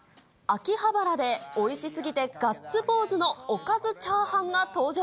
秋葉原でおいしすぎてガッツポーズのおかずチャーハンが登場。